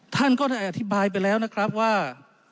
ท่านก็ได้อธิบายไปแล้วนะครับว่า